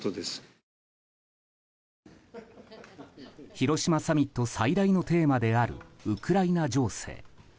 広島サミット最大のテーマであるウクライナ情勢。